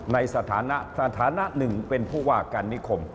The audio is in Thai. ในฐานะสถานะหนึ่งเป็นผู้ว่าการนิคม